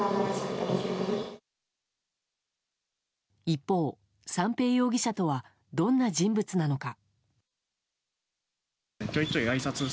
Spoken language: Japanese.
一方、三瓶容疑者とはどんな人物なのか。